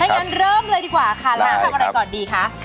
งั้นเริ่มเลยดีกว่าค่ะแล้วทำอะไรก่อนดีคะ